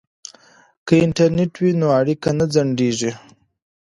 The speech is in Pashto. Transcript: که انټرنیټ وي نو اړیکه نه ځنډیږي.